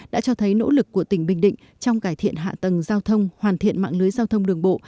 đã cho thấy nỗ lực của tỉnh bình định trong cải thiện hạ tầng giao thông hoàn thiện mạng lưới giao thông đường bộ